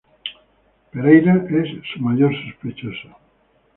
Pereyra es su mayor sospechoso.